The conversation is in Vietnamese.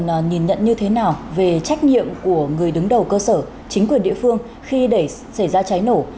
nhìn nhận như thế nào về trách nhiệm của người đứng đầu cơ sở chính quyền địa phương khi để xảy ra cháy nổ